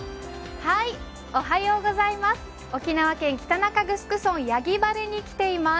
沖縄県北中城村屋宜原に来ています。